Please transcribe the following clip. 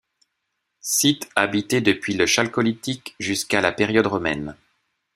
Site habité depuis le chalcolithique jusqu'à la période romaine.